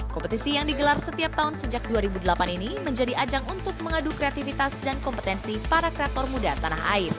kompetisi yang digelar setiap tahun sejak dua ribu delapan ini menjadi ajang untuk mengadu kreativitas dan kompetensi para kreator muda tanah air